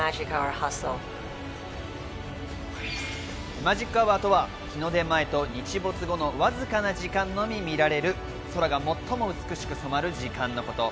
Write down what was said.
マジックアワーとは日の出前と日没後のわずかな時間のみ見られる空が最も美しく染まる時間のこと。